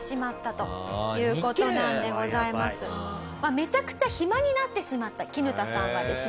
めちゃくちゃ暇になってしまったキヌタさんはですね